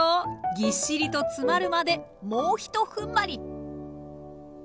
ぎっしりと詰まるまでもうひとふんばり。